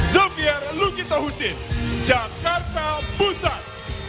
zofia lukitohusin jakarta pusat